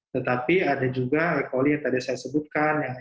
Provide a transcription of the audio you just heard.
tetapi ada juga e coli yang tadi saya sebutkan